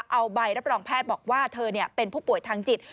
เอาใบรับรองแพทย์บอกว่าเธอเป็นผู้ป่วยทางจิต